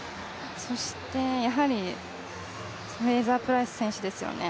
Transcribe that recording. そして、やはりフレイザープライス選手ですよね。